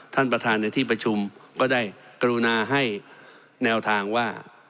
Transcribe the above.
ท่านประธานในที่ประชุมก็ได้กรุณาให้แนวทางว่า